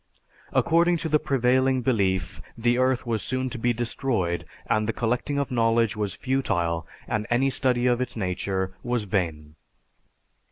According to the prevailing belief the earth was soon to be destroyed and the collecting of knowledge was futile and any study of its nature was vain.